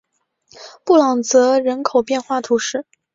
布朗泽人口变化图示